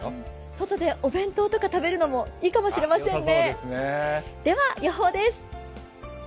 外でお弁当とか食べるのもいいかもしれませんね。